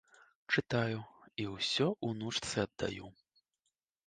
Чытаю і ўсё унучцы аддаю.